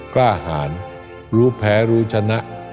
กล้าหารรู้แพ้รู้ชนะ